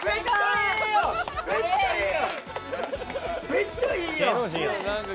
めっちゃええやん！